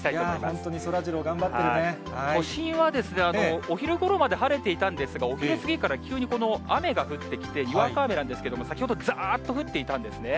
本当にそらジロー、頑張って都心はお昼ごろまで晴れていたんですが、お昼過ぎから急に雨が降ってきて、にわか雨なんですけれども、先ほど、ざっと降っていたんですね。